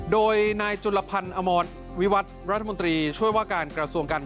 โดยนายจุลภัณฑ์อมอลวิวัฒน์รัฐมุนตรีช่วยว่าการกราศวงการ